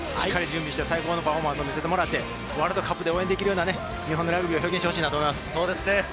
最高のパフォーマンスを見せてもらってワールドカップで応援できるような日本のラグビーを表現してほしいと思います。